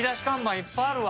いっぱいあるわ。